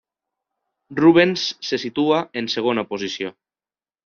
Rubens se situa en segona posició.